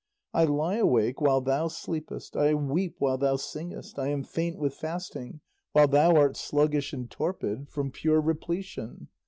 I lie awake while thou sleepest, I weep while thou singest, I am faint with fasting while thou art sluggish and torpid from pure repletion.